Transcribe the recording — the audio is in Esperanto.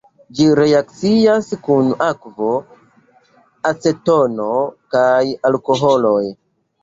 Ĝi reakcias kun akvo, acetono kaj alkoholoj.